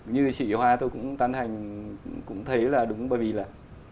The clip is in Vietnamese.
như chị hoa tôi cũng tán hành cũng thấy là đúng bởi vì là